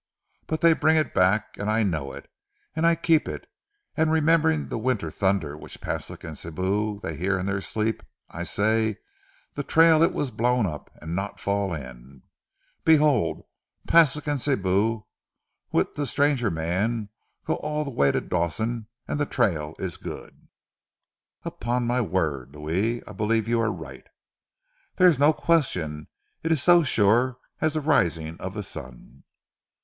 But dey bring it back, and I know it, and I keep it; and remembering ze winter thunder which Paslik an' Sibou dey hear in their sleep, I say ze trail it was blown up, an' not fall in, behold, Paslik an' Sibou wi' ze stranger mans go all ze way to Dawson, an' ze trail it is good." "Upon my word, Louis, I believe you are right." "Dere is no question. It is so sure as ze rising of ze sun!"